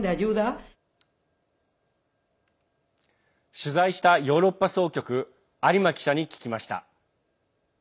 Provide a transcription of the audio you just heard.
取材したヨーロッパ総局有馬記者に聞きました。